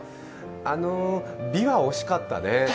あの、びわ、惜しかったね。